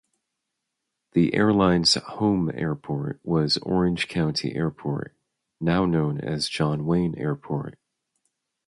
The airline's "home" airport was Orange County Airport, now known as John Wayne Airport.